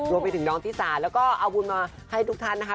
รวมไปถึงน้องที่สาแล้วก็เอาบุญมาให้ทุกท่านนะคะ